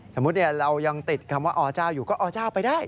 สมมุติเนี่ยเรายังติดคำว่าออเจ้าอยูก็นี่ไปได้